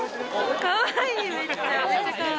かわいい。